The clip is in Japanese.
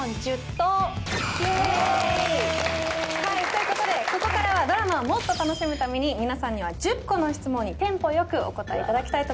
ということでここからはドラマをもっと楽しむために皆さんには１０個の質問にテンポよくお答えいただきたいと思います。